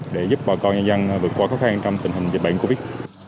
để giúp bà con nhân dân vượt qua khó khăn trong tình hình dịch bệnh covid